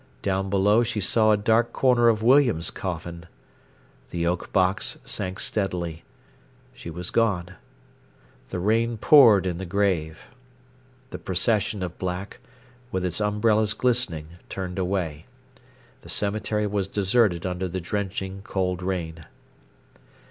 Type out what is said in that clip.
Down below she saw a dark corner of William's coffin. The oak box sank steadily. She was gone. The rain poured in the grave. The procession of black, with its umbrellas glistening, turned away. The cemetery was deserted under the drenching cold rain.